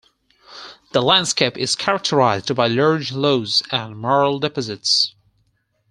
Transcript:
The landscape is characterised by large Loess and Marl deposits.